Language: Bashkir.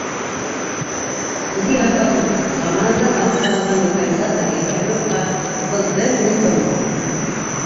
Үҙе яһап алған бит, заманында дан ҡаҙанған механизатор Ибраһимовҡа был бер ни тормай!